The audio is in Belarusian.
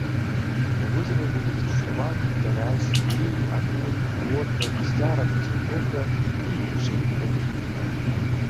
У возеры водзяцца шчупак, карась, лінь, акунь, плотка, гусцяра, краснапёрка і іншыя віды рыб.